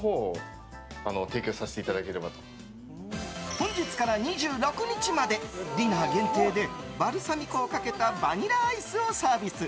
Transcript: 本日から２６日までディナー限定でバルサミコをかけたバニラアイスをサービス。